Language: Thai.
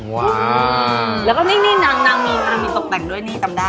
ว้าวแล้วก็นี่นางมีตกแต่งด้วยนี่จำได้